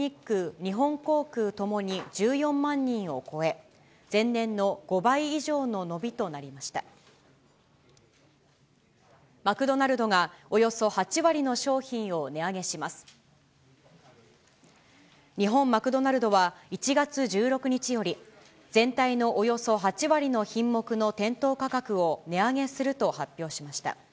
日本マクドナルドは、１月１６日より、全体のおよそ８割の品目の店頭価格を値上げすると発表しました。